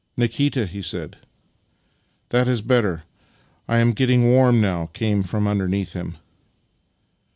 " Nikita," he said. " That is better. I am getting warm now," came from underneath him.